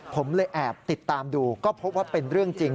ผมเลยแอบติดตามดูก็พบว่าเป็นเรื่องจริง